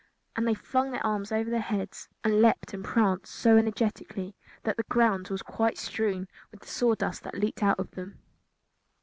And they flung their arms over their heads, and leaped and pranced so energetically that the ground was quite strewn with sawdust that leaked out of them.